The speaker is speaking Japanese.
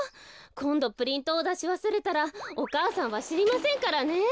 こんどプリントをだしわすれたらお母さんはしりませんからね。